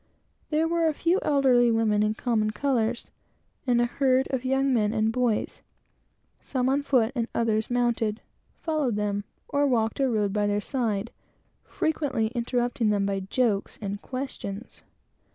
There were a few elderly women in common colors; and a herd of young men and boys, some on foot and others mounted, followed them, or walked or rode by their side, frequently interrupting them by jokes and questions.